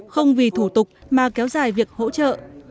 không vì thủ tục mà kéo dài việc hỗ trợ